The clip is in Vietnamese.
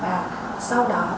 và sau đó tìm đúng vật rồi